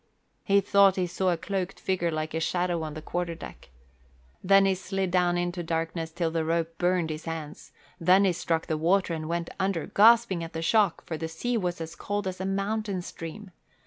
He thought he saw a cloaked figure like a shadow on the quarter deck. Then he slid down into darkness till the rope burned his hands, then he struck the water and went under, gasping at the shock, for the sea was as cold as a mountain stream.